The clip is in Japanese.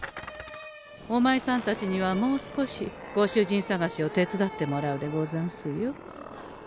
おまいさんたちにはもう少しご主人さがしを手伝ってもらうでござんすよ。